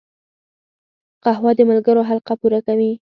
قهوه د ملګرو حلقه پوره کوي